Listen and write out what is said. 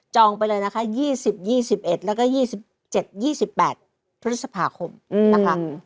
ไปเลยนะคะ๒๐๒๑แล้วก็๒๗๒๘พฤษภาคมนะคะ